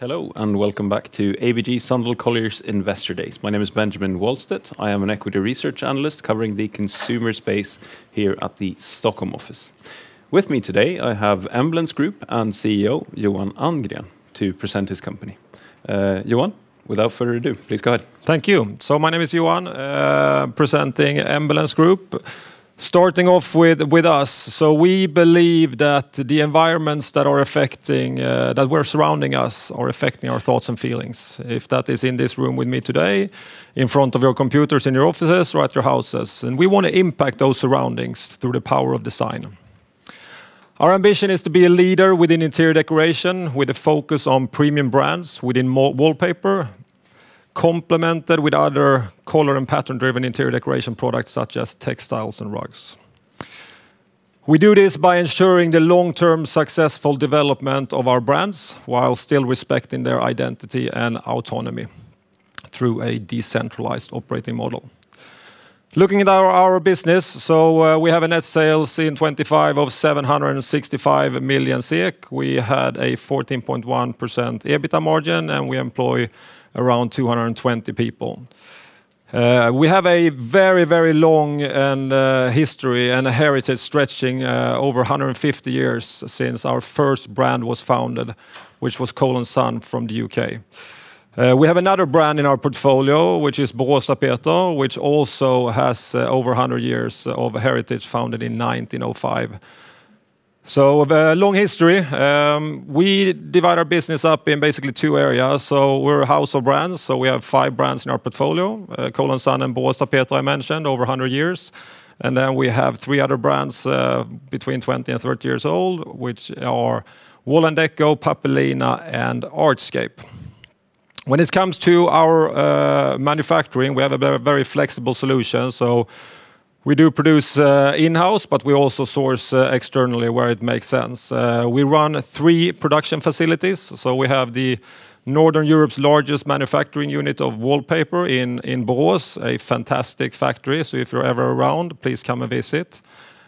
Hello, and welcome back to ABG Sundal Collier's Investor Days. My name is Benjamin Wahlstedt. I am an equity research analyst covering the consumer space here at the Stockholm office. With me today, I have Embellence Group and CEO Johan Andgren to present his company. Johan, without further ado, please go ahead. Thank you. My name is Johan, presenting Embellence Group. Starting off with us. We believe that the environments that were surrounding us are affecting our thoughts and feelings. If that is in this room with me today, in front of your computers, in your offices, or at your houses. We want to impact those surroundings through the power of design. Our ambition is to be a leader within interior decoration, with a focus on premium brands within wallpaper, complemented with other color and pattern-driven interior decoration products, such as textiles and rugs. We do this by ensuring the long-term successful development of our brands, while still respecting their identity and autonomy through a decentralized operating model. Looking at our business, we have a net sales in 2025 of 765 million SEK. We had a 14.1% EBITDA margin, and we employ around 220 people. We have a very long history and a heritage stretching over 150 years since our first brand was founded, which was Cole & Son from the U.K. We have another brand in our portfolio, which is Boråstapeter, which also has over 100 years of heritage, founded in 1905. A long history. We divide our business up in basically two areas. We're a house of brands. We have five brands in our portfolio. Cole & Son and Boråstapeter, I mentioned, over 100 years. We have three other brands between 20 and 30 years old, which are Wall&decò, Pappelina, and Artscape. When it comes to our manufacturing, we have a very flexible solution. We do produce in-house, but we also source externally where it makes sense. We run three production facilities. We have the Northern Europe's largest manufacturing unit of wallpaper in Borås, a fantastic factory. If you're ever around, please come and visit.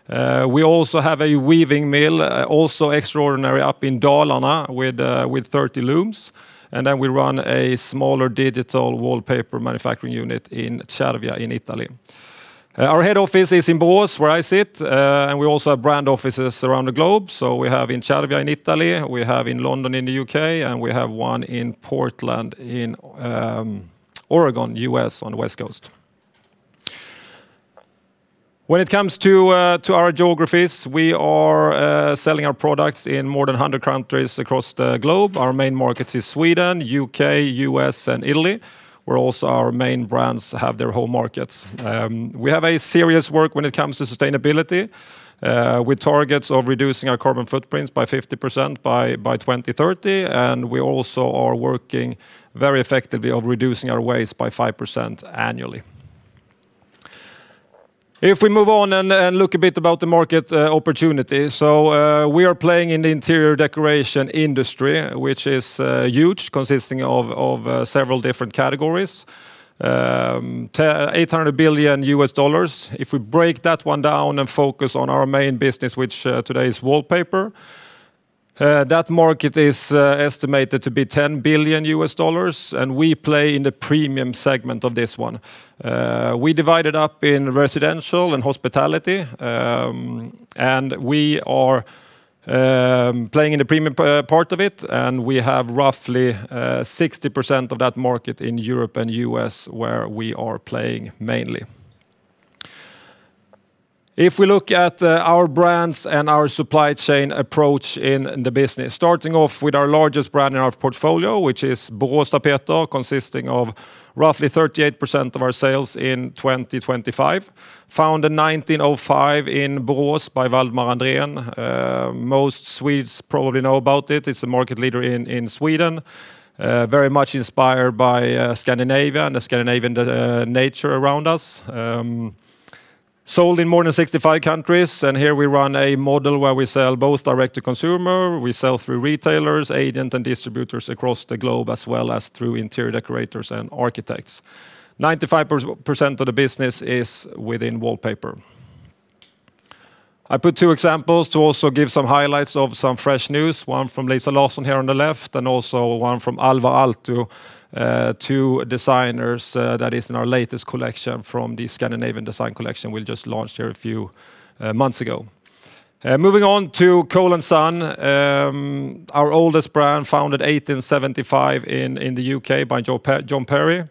We also have a weaving mill, also extraordinary, up in Dalarna with 30 looms. Then we run a smaller digital wallpaper manufacturing unit in Cervia in Italy. Our head office is in Borås, where I sit, and we also have brand offices around the globe. We have in Cervia in Italy, we have in London in the U.K., and we have one in Portland in Oregon, U.S., on the West Coast. When it comes to our geographies, we are selling our products in more than 100 countries across the globe. Our main markets is Sweden, U.K., U.S., and Italy, where also our main brands have their home markets. We have a serious work when it comes to sustainability, with targets of reducing our carbon footprints by 50% by 2030, and we also are working very effectively of reducing our waste by 5% annually. If we move on and look a bit about the market opportunity. We are playing in the interior decoration industry, which is huge, consisting of several different categories. $800 billion. If we break that one down and focus on our main business, which today is wallpaper, that market is estimated to be $10 billion, and we play in the premium segment of this one. We divide it up in residential and hospitality. We are playing in the premium part of it, and we have roughly 60% of that market in Europe and U.S., where we are playing mainly. If we look at our brands and our supply chain approach in the business. Starting off with our largest brand in our portfolio, which is Boråstapeter, consisting of roughly 38% of our sales in 2025. Founded 1905 in Borås by Waldemar Andrén. Most Swedes probably know about it. It's a market leader in Sweden. Very much inspired by Scandinavia and the Scandinavian nature around us. Sold in more than 65 countries. Here we run a model where we sell both direct to consumer, we sell through retailers, agent, and distributors across the globe, as well as through interior decorators and architects. 95% of the business is within wallpaper. I put two examples to also give some highlights of some fresh news, one from Lisa Larson here on the left, and also one from Alvar Aalto, two designers that is in our latest collection from the Scandinavian design collection we just launched here a few months ago. Moving on to Cole & Son, our oldest brand, founded 1875 in the U.K. by John Perry.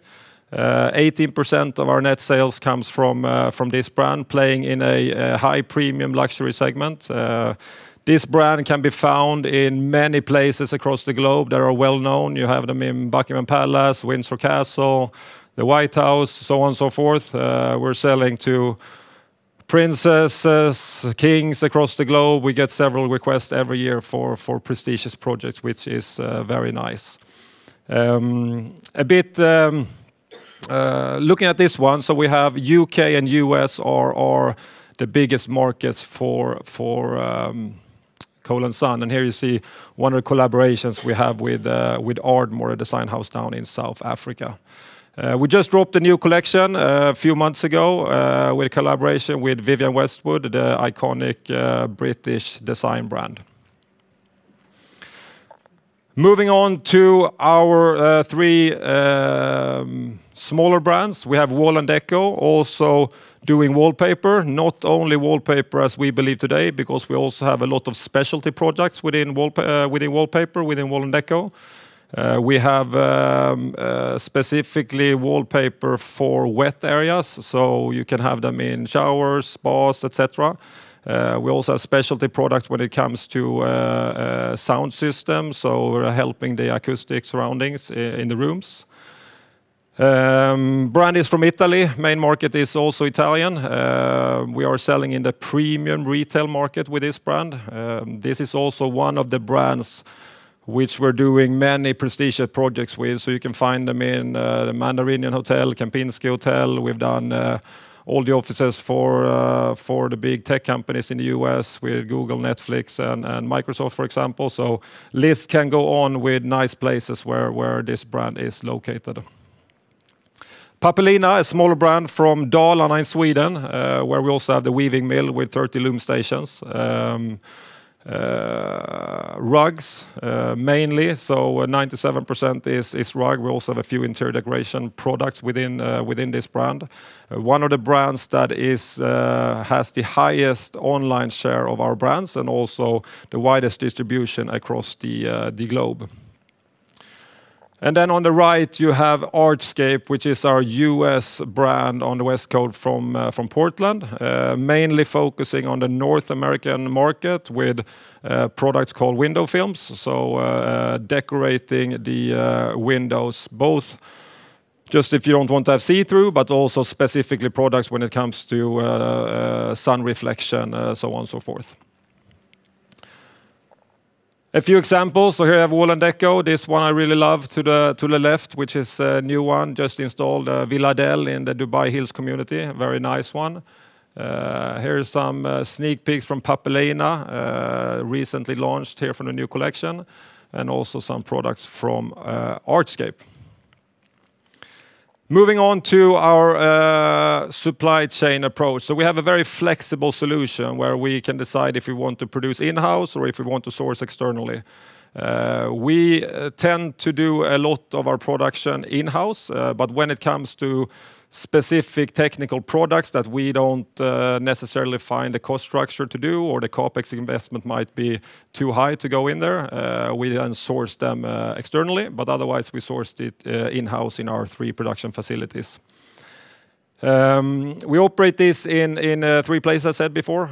18% of our net sales comes from this brand, playing in a high premium luxury segment. This brand can be found in many places across the globe that are well-known. You have them in Buckingham Palace, Windsor Castle, The White House, so on and so forth. We're selling to princesses, kings across the globe. We get several requests every year for prestigious projects, which is very nice. Looking at this one, we have U.K. and U.S. are our the biggest markets for Cole & Son. Here you see one of the collaborations we have with Ardmore Design House down in South Africa. We just dropped a new collection a few months ago, with a collaboration with Vivienne Westwood, the iconic British design brand. Moving on to our three smaller brands. We have Wall&decò also doing wallpaper. Not only wallpaper as we believe today, because we also have a lot of specialty products within wallpaper, within Wall&decò. We have specifically wallpaper for wet areas, so you can have them in showers, spas, et cetera. We also have specialty products when it comes to sound systems, so we're helping the acoustic surroundings in the rooms. Brand is from Italy. Main market is also Italian. We are selling in the premium retail market with this brand. This is also one of the brands which we're doing many prestigious projects with. You can find them in the Mandarin Hotel, Kempinski Hotel. We've done all the offices for the big tech companies in the U.S. with Google, Netflix, and Microsoft, for example. List can go on with nice places where this brand is located. Pappelina, a smaller brand from Dalarna in Sweden, where we also have the weaving mill with 30 loom stations. Rugs, mainly, so 97% is rug. We also have a few interior decoration products within this brand. One of the brands that has the highest online share of our brands and also the widest distribution across the globe. On the right you have Artscape, which is our U.S. brand on the West Coast from Portland. Mainly focusing on the North American market with a product called window films. Decorating the windows, both just if you don't want to have see-through, but also specifically products when it comes to sun reflection, so on and so forth. A few examples. Here I have Wall&decò. This one I really love to the left, which is a new one just installed, Villa Del in the Dubai Hills Estate. Very nice one. Here are some sneak peeks from Pappelina, recently launched here from the new collection, and also some products from Artscape. Moving on to our supply chain approach. We have a very flexible solution where we can decide if we want to produce in-house or if we want to source externally. We tend to do a lot of our production in-house, but when it comes to specific technical products that we don't necessarily find a cost structure to do, or the CapEx investment might be too high to go in there, we then source them externally. Otherwise, we source it in-house in our three production facilities. We operate this in three places, I said before,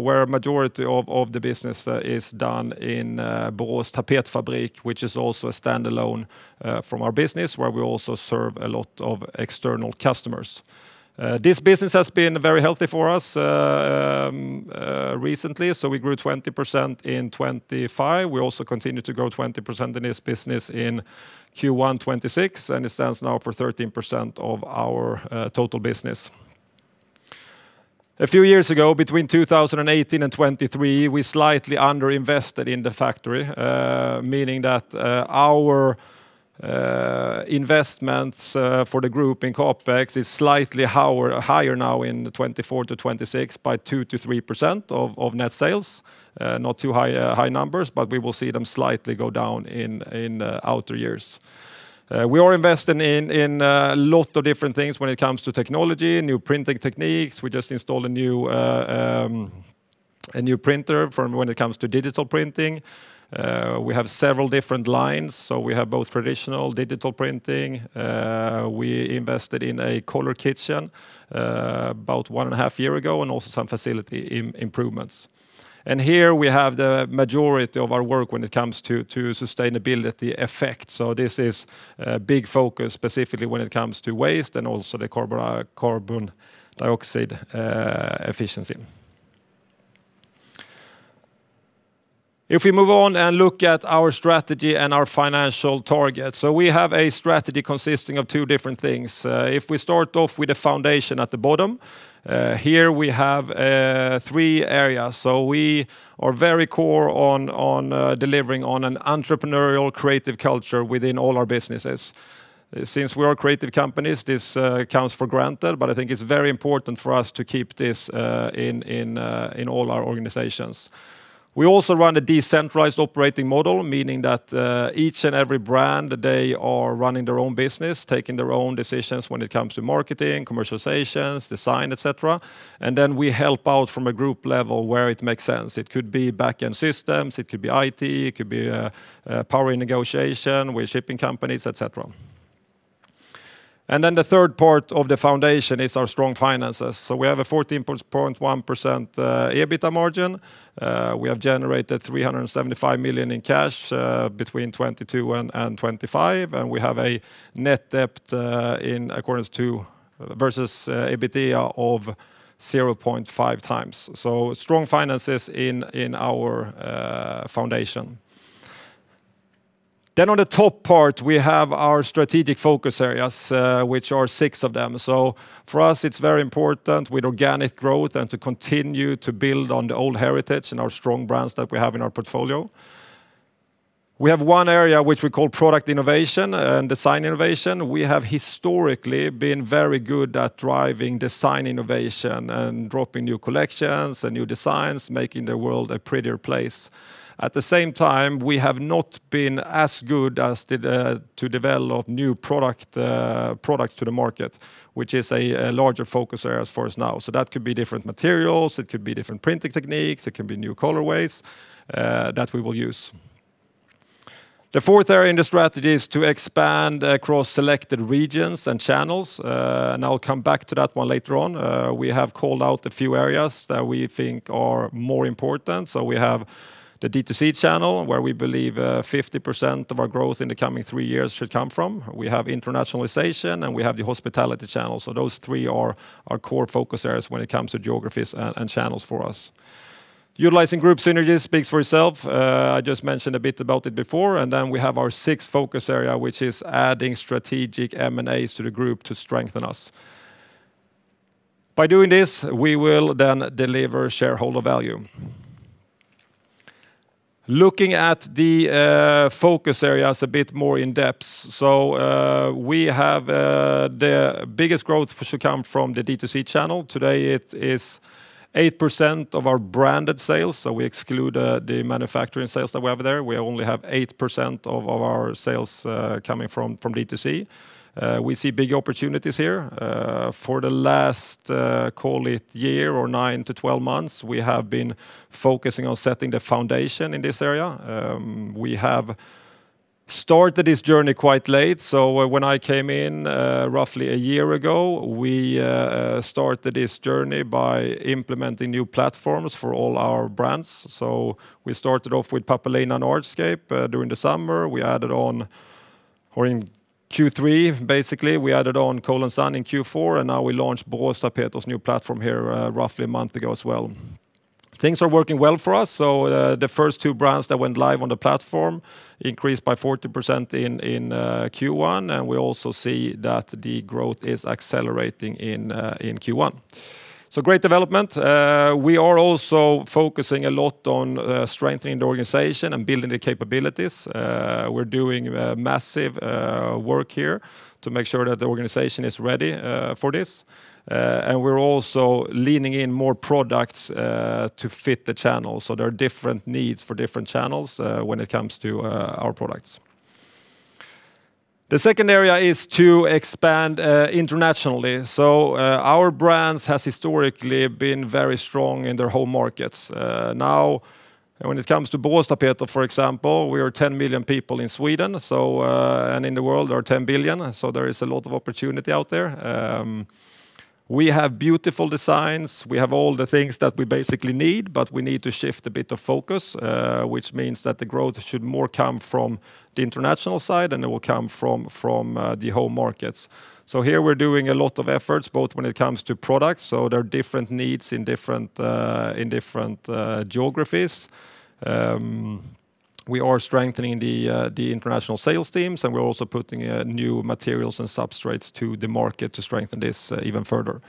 where majority of the business is done in Borås Tapetfabrik, which is also a standalone from our business, where we also serve a lot of external customers. This business has been very healthy for us recently. We grew 20% in 2025. We also continue to grow 20% in this business in Q1 2026, and it stands now for 13% of our total business. A few years ago, between 2018 and 2023, we slightly under-invested in the factory, meaning that our investments for the group in CapEx is slightly higher now in 2024-2026 by 2%-3% of net sales. Not too high numbers, we will see them slightly go down in outer years. We are investing in a lot of different things when it comes to technology, new printing techniques. We just installed a new printer for when it comes to digital printing. We have several different lines, we have both traditional digital printing. We invested in a color kitchen about one and a half year ago, and also some facility improvements. Here we have the majority of our work when it comes to sustainability effect. This is a big focus, specifically when it comes to waste and also the carbon dioxide efficiency. If we move on and look at our strategy and our financial targets. We have a strategy consisting of two different things. If we start off with a foundation at the bottom, here we have three areas. We are very core on delivering on an entrepreneurial creative culture within all our businesses. Since we are a creative companies, this comes for granted, but I think it's very important for us to keep this in all our organizations. We also run a decentralized operating model, meaning that each and every brand, they are running their own business, taking their own decisions when it comes to marketing, commercializations, design, et cetera. Then we help out from a group level where it makes sense. It could be back-end systems, it could be IT, it could be power in negotiation with shipping companies, et cetera. Then the third part of the foundation is our strong finances. We have a 14.1% EBITDA margin. We have generated 375 million in cash between 2022 and 2025, and we have a net debt in accordance to, versus EBITDA of 0.5x. Strong finances in our foundation. Then on the top part, we have our strategic focus areas, which are six of them. For us, it's very important with organic growth and to continue to build on the old heritage and our strong brands that we have in our portfolio. We have one area which we call product innovation and design innovation. We have historically been very good at driving design innovation and dropping new collections and new designs, making the world a prettier place. At the same time, we have not been as good as to develop new products to the market, which is a larger focus area as for us now. That could be different materials, it could be different printing techniques, it could be new colorways that we will use. The fourth area in the strategy is to expand across selected regions and channels, and I'll come back to that one later on. We have called out a few areas that we think are more important. We have the D2C channel where we believe 50% of our growth in the coming three years should come from. We have internationalization, and we have the hospitality channel. Those three are our core focus areas when it comes to geographies and channels for us. Utilizing group synergies speaks for itself. I just mentioned a bit about it before, we have our sixth focus area, which is adding strategic M&As to the group to strengthen us. By doing this, we will deliver shareholder value. Looking at the focus areas a bit more in depth. We have the biggest growth should come from the D2C channel. Today, it is 8% of our branded sales, so we exclude the manufacturing sales that we have there. We only have 8% of our sales coming from D2C. We see big opportunities here. For the last call it year or nine-12 months, we have been focusing on setting the foundation in this area. We have started this journey quite late, so when I came in roughly a year ago, we started this journey by implementing new platforms for all our brands. We started off with Pappelina and Artscape during the summer. In Q3, basically, we added on Cole & Son in Q4. Now we launched Boråstapeter's new platform here roughly a month ago as well. Things are working well for us. The first two brands that went live on the platform increased by 40% in Q1. We also see that the growth is accelerating in Q1. Great development. We are also focusing a lot on strengthening the organization and building the capabilities. We're doing massive work here to make sure that the organization is ready for this. We're also leaning in more products to fit the channel. There are different needs for different channels when it comes to our products. The second area is to expand internationally. Our brands has historically been very strong in their home markets. Now, when it comes to Boråstapeter, for example, we are 10 million people in Sweden, and in the world are 10 billion, so there is a lot of opportunity out there. We have beautiful designs. We have all the things that we basically need, but we need to shift a bit of focus, which means that the growth should more come from the international side, and it will come from the home markets. Here we're doing a lot of efforts, both when it comes to products, so there are different needs in different geographies. We are strengthening the international sales teams, and we're also putting new materials and substrates to the market to strengthen this even further.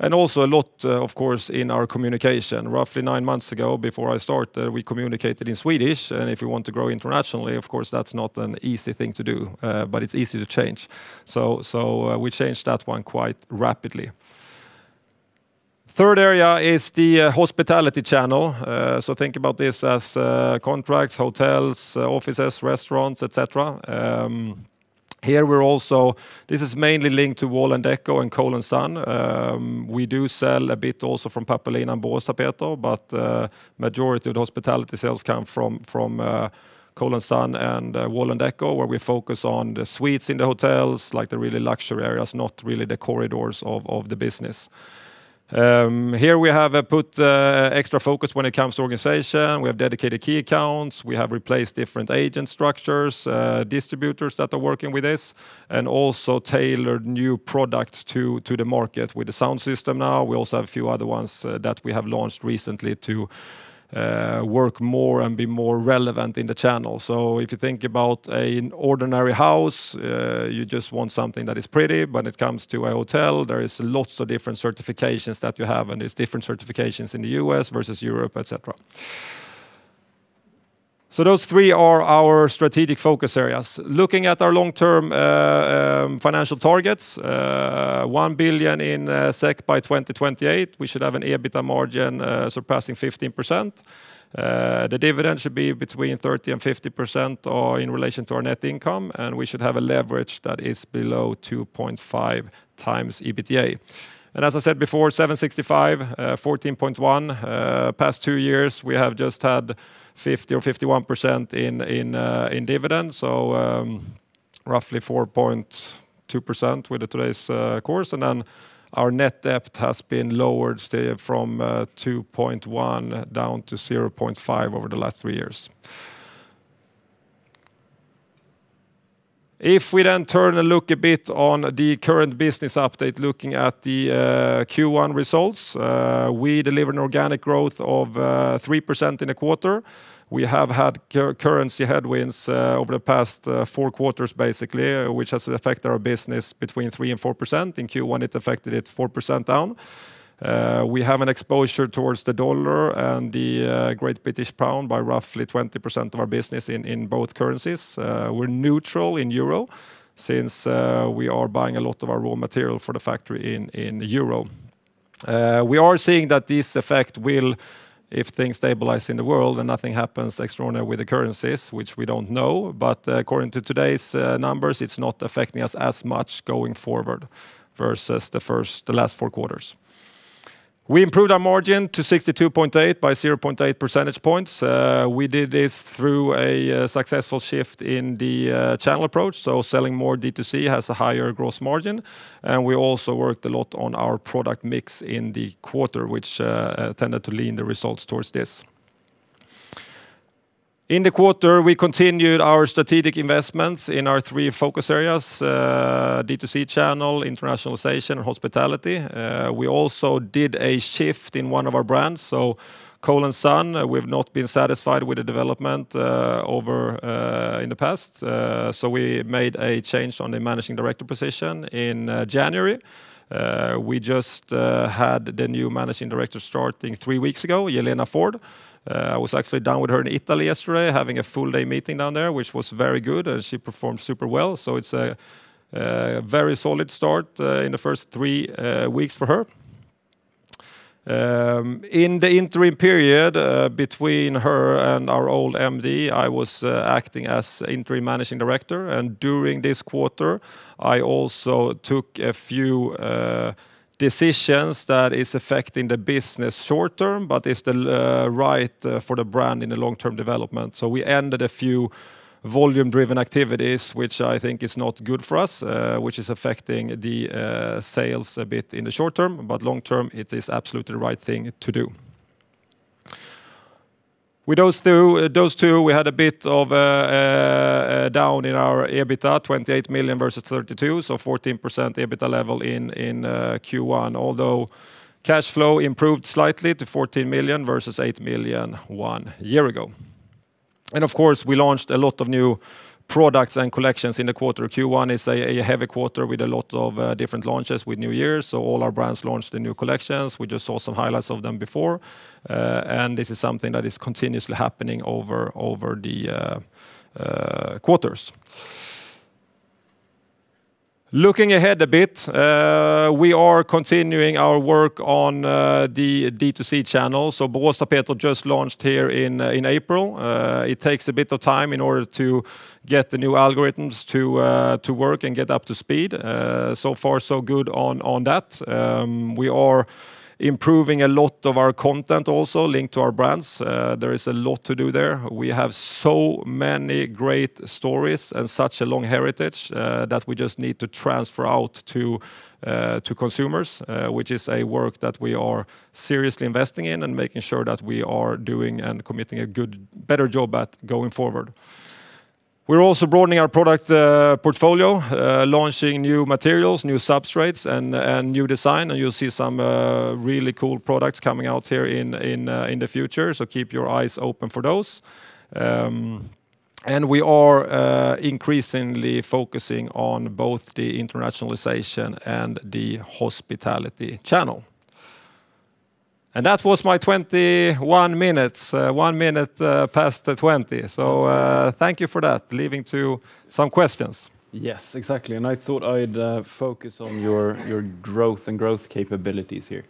Also a lot, of course, in our communication. Roughly nine months ago, before I started, we communicated in Swedish, and if you want to grow internationally, of course, that's not an easy thing to do. It's easy to change. We changed that one quite rapidly. Third area is the hospitality channel. Think about this as contracts, hotels, offices, restaurants, et cetera. This is mainly linked to Wall&decò and Cole & Son. We do sell a bit also from Pappelina and Borås Tapet, but majority of the hospitality sales come from Cole & Son and Wall&decò, where we focus on the suites in the hotels, like the really luxury areas, not really the corridors of the business. Here we have put extra focus when it comes to organization. We have dedicated key accounts. We have replaced different agent structures, distributors that are working with this, and also tailored new products to the market with the window films now. We also have a few other ones that we have launched recently to work more and be more relevant in the channel. If you think about an ordinary house, you just want something that is pretty. When it comes to a hotel, there is lots of different certifications that you have, and it's different certifications in the U.S. versus Europe, et cetera. Those three are our strategic focus areas. Looking at our long-term financial targets, 1 billion by 2028. We should have an EBITDA margin surpassing 15%. The dividend should be between 30% and 50% in relation to our net income. We should have a leverage that is below 2.5x EBITDA. As I said before, 765, 14.1. Past twoyears, we have just had 50% or 51% in dividend. Roughly 4.2% with today's course. Our net debt has been lowered from 2.1 down to 0.5 over the last three years. If we turn and look a bit on the current business update, looking at the Q1 results, we deliver an organic growth of 3% in a quarter. We have had currency headwinds over the past four quarters, basically, which has affected our business between 3% and 4%. In Q1, it affected it 4% down. We have an exposure towards the USD and the GBP by roughly 20% of our business in both currencies. We're neutral in euro since we are buying a lot of our raw material for the factory in euro. We are seeing that this effect will, if things stabilize in the world and nothing happens extraordinary with the currencies, which we don't know, but according to today's numbers, it's not affecting us as much going forward versus the last four quarters. We improved our margin to 62.8% by 0.8 percentage points. We did this through a successful shift in the channel approach, so selling more D2C has a higher gross margin. We also worked a lot on our product mix in the quarter, which tended to lean the results towards this. In the quarter, we continued our strategic investments in our three focus areas, D2C channel, internationalization, and hospitality. We also did a shift in one of our brands. Cole & Son, we've not been satisfied with the development in the past, we made a change on the Managing Director position in January. We just had the new Managing Director starting three weeks ago, Yelena Ford. I was actually down with her in Italy yesterday, having a full-day meeting down there, which was very good, and she performed super well. It's a very solid start in the first three weeks for her. In the interim period between her and our old MD, I was acting as interim Managing Director, and during this quarter, I also took a few decisions that is affecting the business short-term, but it's right for the brand in the long-term development. We ended a few volume-driven activities, which I think is not good for us, which is affecting the sales a bit in the short-term, but long-term, it is absolutely the right thing to do. With those two, we had a bit of a down in our EBITDA, 28 million versus 32 million, so 14% EBITDA level in Q1, although cash flow improved slightly to 14 million versus 8 million one year ago. Of course, we launched a lot of new products and collections in the quarter. Q1 is a heavy quarter with a lot of different launches with New Year, so all our brands launched the new collections. We just saw some highlights of them before. This is something that is continuously happening over the quarters. Looking ahead a bit, we are continuing our work on the D2C channel. Boråstapeter just launched here in April. It takes a bit of time in order to get the new algorithms to work and get up to speed. Far so good on that. We are improving a lot of our content also linked to our brands. There is a lot to do there. We have so many great stories and such a long heritage, that we just need to transfer out to consumers, which is a work that we are seriously investing in and making sure that we are doing and committing a better job at going forward. We're also broadening our product portfolio, launching new materials, new substrates, and new design, you'll see some really cool products coming out here in the future. Keep your eyes open for those. We are increasingly focusing on both the internationalization and the hospitality channel. That was my 21 minutes, one minute past the 20. Thank you for that, leaving to some questions. Yes, exactly. I thought I'd focus on your growth and growth capabilities here.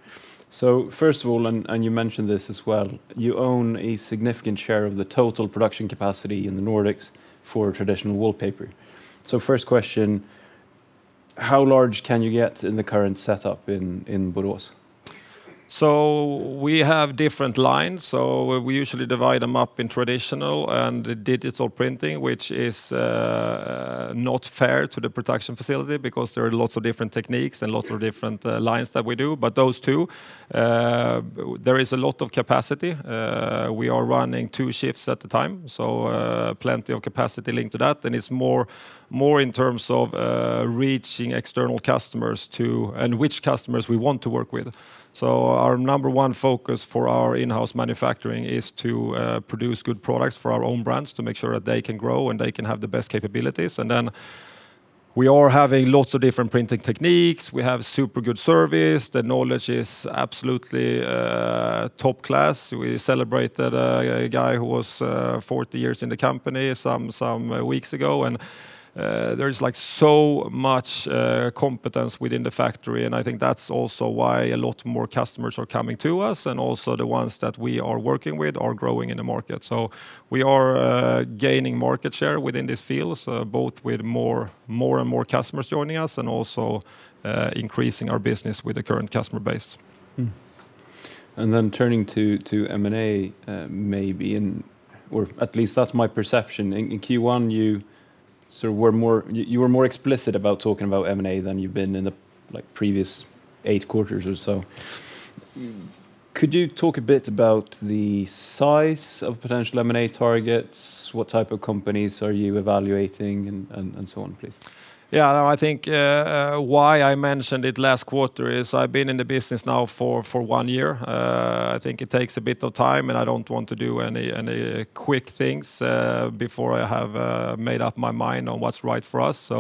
First of all, and you mentioned this as well, you own a significant share of the total production capacity in the Nordics for traditional wallpaper. First question, how large can you get in the current setup in Borås? We have different lines. We usually divide them up in traditional and digital printing, which is not fair to the production facility because there are lots of different techniques and lots of different lines that we do. Those two, there is a lot of capacity. We are running two shifts at a time, so plenty of capacity linked to that. It's more in terms of reaching external customers too, and which customers we want to work with. Our number one focus for our in-house manufacturing is to produce good products for our own brands to make sure that they can grow and they can have the best capabilities. We are having lots of different printing techniques. We have super good service. The knowledge is absolutely top class. We celebrated a guy who was 40 years in the company some weeks ago, and there's so much competence within the factory, and I think that's also why a lot more customers are coming to us, and also the ones that we are working with are growing in the market. We are gaining market share within this field, both with more and more customers joining us and also increasing our business with the current customer base. Turning to M&A, maybe in, or at least that's my perception. In Q1, you were more explicit about talking about M&A than you've been in the previous eight quarters or so. Could you talk a bit about the size of potential M&A targets? What type of companies are you evaluating, and so on, please? Yeah, no, I think why I mentioned it last quarter is I've been in the business now for one year. I think it takes a bit of time, and I don't want to do any quick things before I have made up my mind on what's right for us.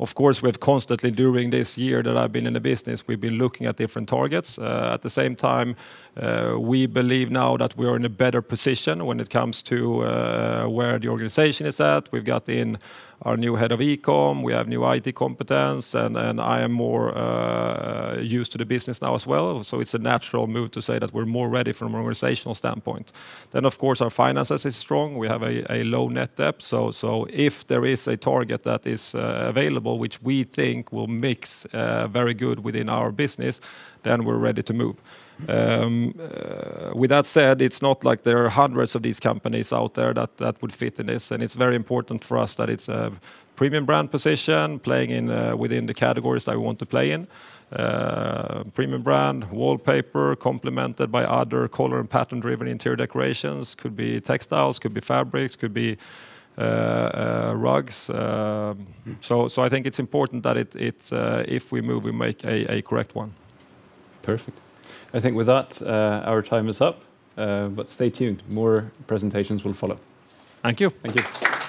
Of course, we have constantly, during this year that I've been in the business, we've been looking at different targets. At the same time, we believe now that we are in a better position when it comes to where the organization is at. We've got in our new head of e-com, we have new IT competence, and I am more used to the business now as well. It's a natural move to say that we're more ready from an organizational standpoint. Of course, our finances is strong. We have a low net debt. If there is a target that is available, which we think will mix very good within our business, then we're ready to move. With that said, it's not like there are hundreds of these companies out there that would fit in this, and it's very important for us that it's a premium brand position playing within the categories that we want to play in. Premium brand wallpaper complemented by other color and pattern-driven interior decorations, could be textiles, could be fabrics, could be rugs. I think it's important that if we move, we make a correct one. Perfect. I think with that, our time is up. Stay tuned, more presentations will follow. Thank you. Thank you.